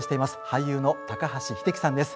俳優の高橋英樹さんです。